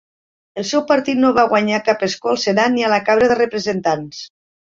Els seu partit no va guanyar cap escó al Senat ni a la Cambra de Representants.